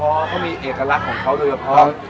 อันนี้ก็มีเอกลักษณ์ของเขาด้วยนะครับ